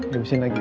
dibesin lagi ya